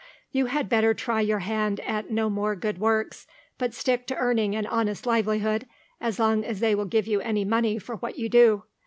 You had better try your hand at no more good works, but stick to earning an honest livelihood, as long as they will give you any money for what you do.